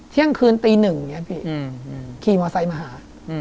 เที่ยงคืนตีหนึ่งขี่มอสไซค์มาหา